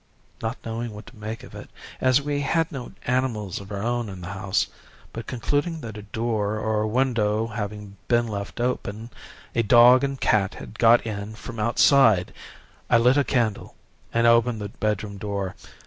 "Not knowing what to make of it, as we had no animals of our own in the house, but concluding that a door or window having been left open, a dog and cat had got in from outside, I lit a candle, and opened the bedroom door.